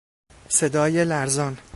صدای لرزان